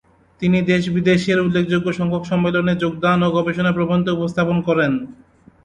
তিনি দেশ-বিদেশের উল্লেখযোগ্য সংখ্যক সম্মেলনে যোগদান ও গবেষণা প্রবন্ধ উপস্থাপন করেন।